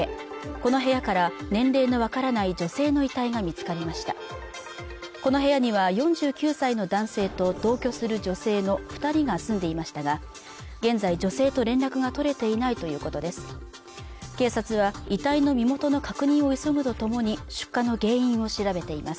この部屋には４９歳の男性と同居する女性の二人が住んでいましたが現在女性と連絡が取れていないということです